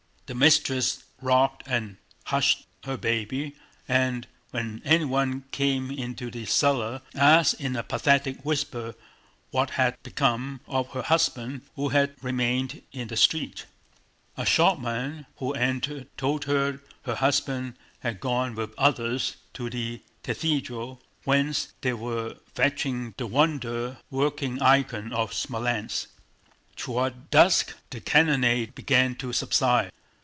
The mistress rocked and hushed her baby and when anyone came into the cellar asked in a pathetic whisper what had become of her husband who had remained in the street. A shopman who entered told her that her husband had gone with others to the cathedral, whence they were fetching the wonder working icon of Smolénsk. Toward dusk the cannonade began to subside.